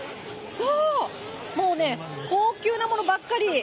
もうね、高級なものばっかり。